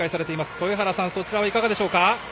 豊原さん、そちらはいかがでしょうか。